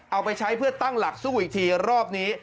เอาไปใช้เพื่อตั้งหลักสู้อีกทีรอบนี้